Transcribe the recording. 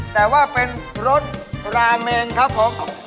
แต่ว่าเป็นรสราเมงครับผม